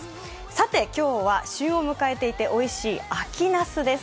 さて、今日は旬を迎えていておいしい秋なすです。